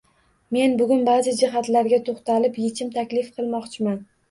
Men bugun ba’zi jihatlarga to‘xtalib, yechim taklif qilmoqchiman.